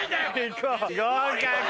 合格！